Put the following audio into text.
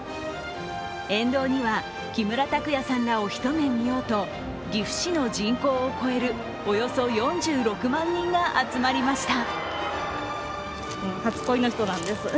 沿道には木村拓哉さんらを一目見ようと岐阜市の人口を超える、およそ４６万人が集まりました。